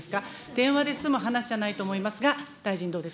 電話で済む話じゃないと思います